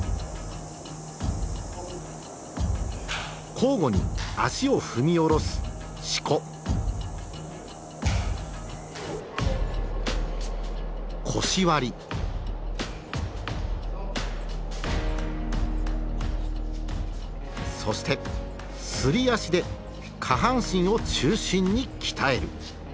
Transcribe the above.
交互に足を踏み下ろすそして「すり足」で下半身を中心に鍛える。